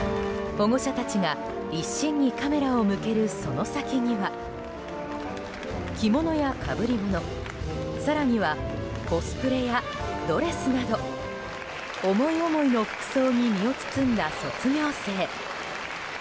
保護者たちが一心にカメラを向けるその先には着物や被り物更にはコスプレやドレスなど思い思いの服装に身を包んだ卒業生。